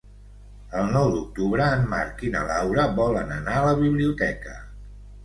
El nou d'octubre en Marc i na Laura volen anar a la biblioteca.